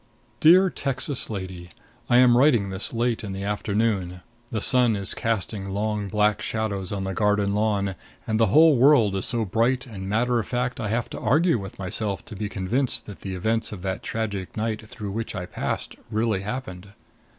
DEAR Texas LADY: I am writing this late in the afternoon. The sun is casting long black shadows on the garden lawn, and the whole world is so bright and matter of fact I have to argue with myself to be convinced that the events of that tragic night through which I passed really happened.